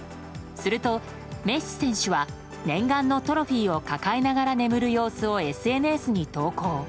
すると、メッシ選手は念願のトロフィーを抱えながら眠る様子をＳＮＳに投稿。